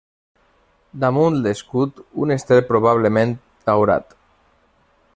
Damunt l'escut un estel probablement daurat.